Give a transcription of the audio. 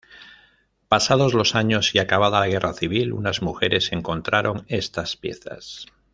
Pasados los años y acabada la Guerra Civil, unas mujeres encontraron estas piezas.